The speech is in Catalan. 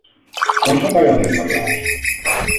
Quan s'apaga el rentaplats?